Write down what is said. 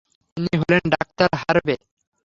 ইনি হলেন ডাক্তার হার্ভে।